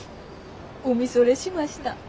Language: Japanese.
お見それしました。